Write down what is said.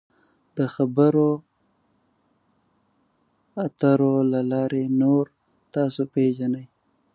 د خبرو اترو له لارې نور تاسو پیژني.